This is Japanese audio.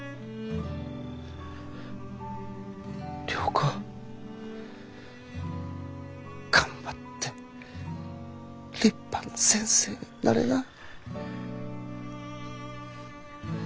良子頑張って立派な先生になれな。